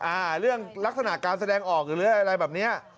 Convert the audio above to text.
อ่าเรื่องลักษณะการแสดงออกหรืออะไรแบบเนี้ย